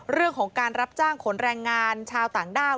เรื่องของการรับจ้างขนแรงงานชาวต่างด้าว